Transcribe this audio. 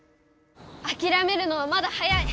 あきらめるのはまだ早い！